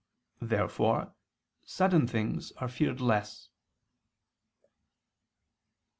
Therefore sudden things are feared less.